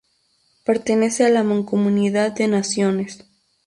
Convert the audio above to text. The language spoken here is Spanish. Pertenece a la Mancomunidad de Naciones.